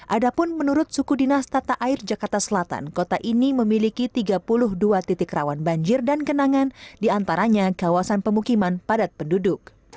ada pun menurut suku dinas tata air jakarta selatan kota ini memiliki tiga puluh dua titik rawan banjir dan kenangan diantaranya kawasan pemukiman padat penduduk